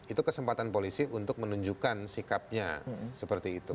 itu kesempatan polisi untuk menunjukkan sikapnya seperti itu